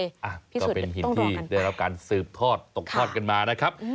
อ่ะก็เป็นหินที่ได้รับการสืบทอดตกทอดกันมานะครับ